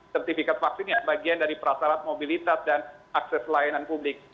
sertifikat vaksin yang bagian dari prasarat mobilitas dan akses layanan publik